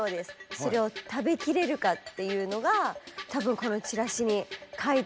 それを食べ切れるかっていうのが多分このチラシに書いてあることですね。